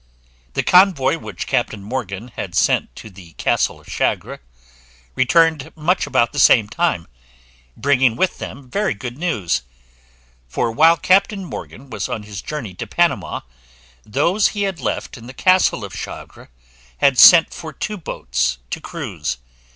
The convoy which Captain Morgan had sent to the castle of Chagre returned much about the same time, bringing with them very good news; for while Captain Morgan was on his journey to Panama, those he had left in the castle of Chagre had sent for two boats to cruise.